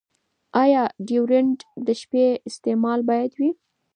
ایا ډیوډرنټ د شپې استعمال باید وي؟